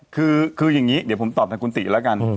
คืออย่างนี้เดี๋ยวผมตอบทางคุณติแล้วกัน